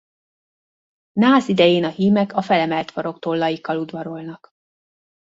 Nász idején a hímek a felemelt faroktollaikkal udvarolnak.